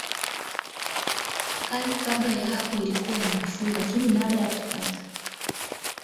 hali kabla ya hapo ilikuwa ni nafuu lakini baada ya kupata